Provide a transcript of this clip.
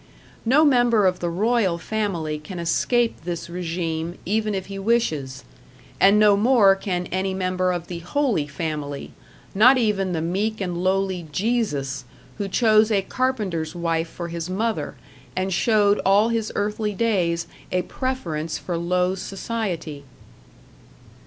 No member of the Royal Family can escape this regime even if he wishes; and no more can any member of the Holy Family not even the meek and lowly Jesus, who chose a carpenter's wife for his mother, and showed all his earthly days a preference for low society.